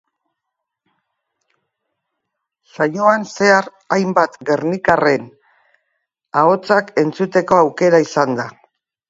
Saioan zehar hainbat gernikarren ahotsa entzuteko aukera izan da.